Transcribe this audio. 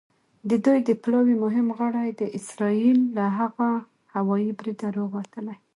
د دوی د پلاوي مهم غړي د اسرائیل له هغه هوايي بریده روغ وتلي.